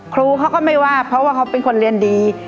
ครูเขาก็ไม่ว่าเพราะว่าเขาเป็นคนเรียนดี